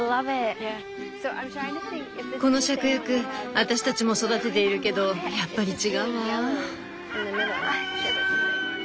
このシャクヤク私たちも育てているけどやっぱり違うわ。